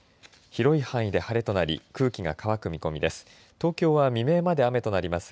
広い範囲で晴れとなり空気が乾く見込みです。